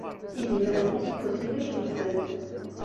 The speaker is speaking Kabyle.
Izimer-nni ssewwen-t-id akken ifaz.